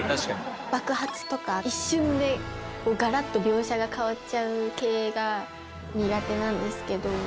爆発とか、一瞬でがらっと描写が変わっちゃう系が苦手なんですけど。